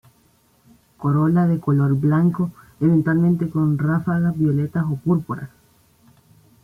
Corola de color blanco, eventualmente con ráfagas violetas o púrpuras.